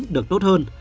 được tốt hơn